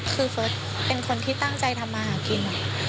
คือเฟิร์สเป็นคนที่ตั้งใจทำมาหากิน